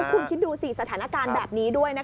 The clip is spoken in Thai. คุณคิดดูสิสถานการณ์แบบนี้ด้วย